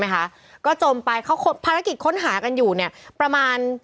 ไหมคะก็จมไปเขาภารกิจค้นหากันอยู่เนี่ยประมาณ